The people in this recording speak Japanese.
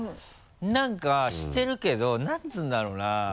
何かしてるけど何て言うんだろうな？